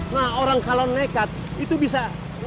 nah orang kalau nekat itu bisa